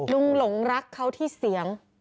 หลงรักเขาที่เสียง